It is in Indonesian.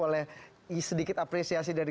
oleh sedikit apresiasi dari